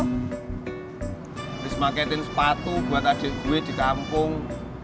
habis marketin sepatu buat adik gue di kampung